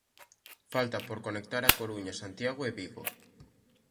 Faltan por conectar A Coruña, Santiago e Vigo.